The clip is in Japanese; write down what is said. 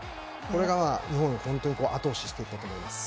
これが日本を後押ししていったと思います。